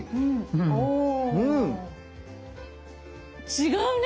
違うね。